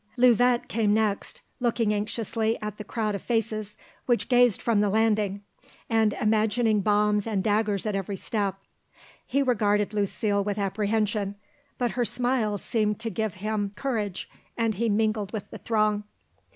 Louvet came next, looking anxiously at the crowd of faces which gazed from the landing, and imagining bombs and daggers at every step. He regarded Lucile with apprehension, but her smile seemed to give him courage and he mingled with the throng.